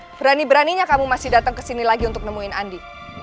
berani beraninya kamu masih datang ke sini lagi untuk nemuin andi